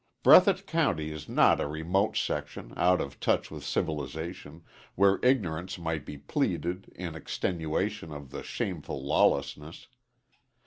Breathitt County is not a remote section, out of touch with civilization, where ignorance might be pleaded in extenuation of the shameful lawlessness.